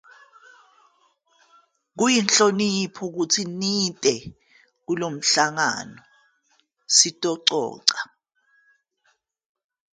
Kuyinhlonipho ukuthi nize kulo mhlangano sizoxoxa.